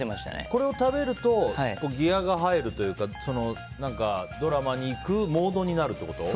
これを食べるとギアが入るというかドラマに行くモードになるってこと？